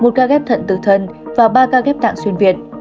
một ca ghép thuận tự thân và ba ca ghép tặng xuyên việt